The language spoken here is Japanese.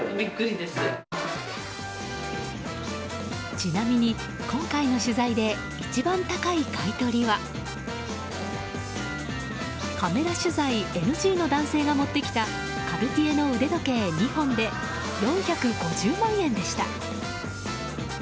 ちなみに、今回の取材で一番高い買い取りはカメラ取材ＮＧの男性が持ってきたカルティエの腕時計２本で４５０万円でした。